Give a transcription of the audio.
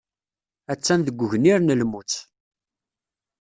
Attan deg ugnir n lmut.